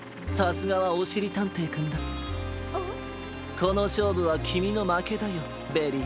このしょうぶはきみのまけだよベリー。